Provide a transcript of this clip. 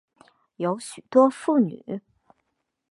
有许多妇女